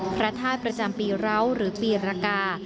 พระธาตุประจำปีร้าวหรือปีรกา